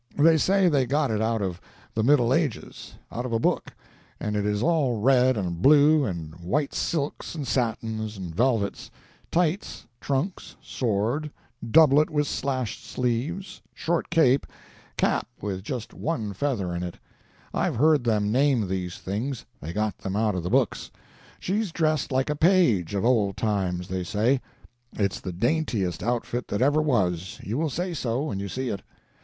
They say they got it out of the Middle Ages—out of a book—and it is all red and blue and white silks and satins and velvets; tights, trunks, sword, doublet with slashed sleeves, short cape, cap with just one feather in it; I've heard them name these things; they got them out of the book; she's dressed like a page, of old times, they say. It's the daintiest outfit that ever was—you will say so, when you see it.